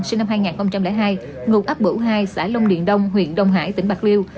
sinh năm hai nghìn hai ngục áp bữu hai xã lông điện đông huyện đông hải tỉnh bạc liêu